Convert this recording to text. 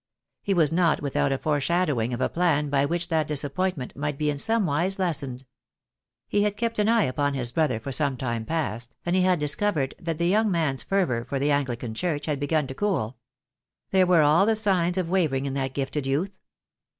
He was not without a foreshadowing of a plan by which that disappointment might be in somewise lessened. He had kept an eye upon his brother for some time past, I48 THE DAY WILL COME. and he had discovered that the young man's fervour for the Anglican Church had begun to cool. There were all the signs of wavering in that gifted youth.